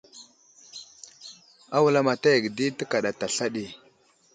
A wulamataya ge di tekaɗa sla ɗi.